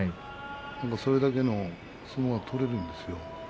それだけの相撲は取れるんですよ。